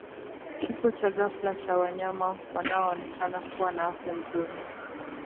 kifo cha ghafla cha wanyama wanaoonekana kuwa na afya nzuri